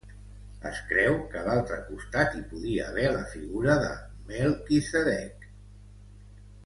Es creu que a l'altre costat hi podia haver la figura de Melquisedec.